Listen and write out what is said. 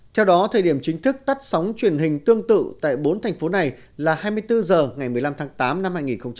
theo đó thời điểm chính thức tắt sóng truyền hình tương tự tại bốn thành phố này là hai mươi bốn h ngày một mươi năm tháng tám năm hai nghìn hai mươi